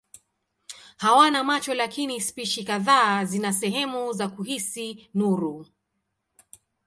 Hawana macho lakini spishi kadhaa zina sehemu za kuhisi nuru.